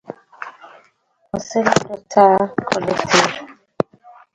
His poems from that point onwards centred on the sea and the war.